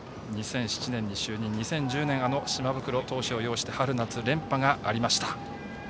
２００７年に就任２０１０年、島袋投手を擁して春夏連覇がありました。